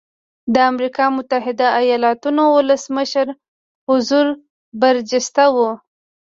د امریکا متحده ایالتونو ولسمشر حضور برجسته و.